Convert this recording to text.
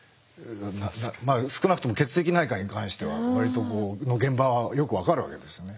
少なくとも血液内科に関しては割とこの現場はよく分かるわけですね。